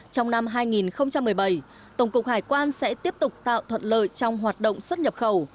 trong năm hai nghìn một mươi bảy tổng cục hải quan sẽ tiếp tục tạo thuận lợi trong hoạt động xuất nhập khẩu